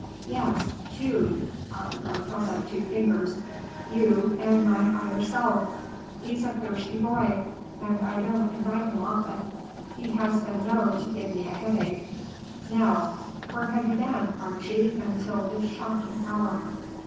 "Yes, two." Ottenburg held up two fingers,—"you, and my higher self. He's a thirsty boy, and I don't invite him often. He has been known to give me a headache. Now, where have you been, Archie, until this shocking hour?"